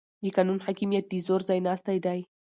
د قانون حاکمیت د زور ځای ناستی دی